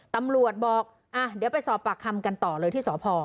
ตำรวจบอกเดี๋ยวไปสอบปากคำกันต่อเลยที่สพ